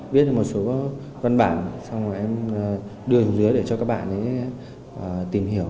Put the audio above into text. đưa hình dưới để cho các bạn tìm hiểu